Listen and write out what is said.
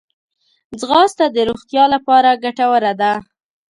ځغاسته د روغتیا لپاره ګټوره ده